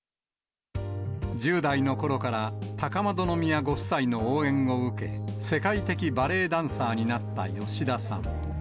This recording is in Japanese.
１０代のころから高円宮ご夫妻の応援を受け、世界的バレエダンサーになった吉田さん。